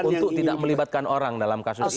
untuk tidak melibatkan orang dalam kasus ini